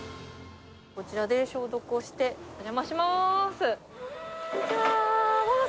こちらで消毒をして、お邪魔します。